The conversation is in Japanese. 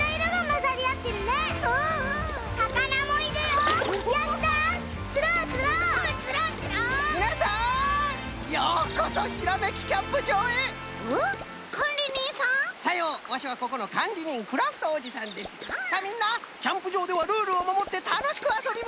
さあみんなキャンプじょうではルールをまもってたのしくあそびましょうね！